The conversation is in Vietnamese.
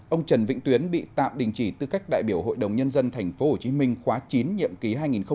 ông trần vĩnh tuyến bị tạm đình chỉ tư cách đại biểu hội đồng nhân dân tp hcm khóa chín nhiệm ký hai nghìn một mươi sáu hai nghìn hai mươi một